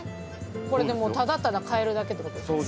これでもうただただ帰るだけって事ですよね？